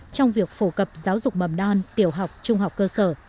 trong việc phổ cập giáo dục mầm non tiểu học trung học cơ sở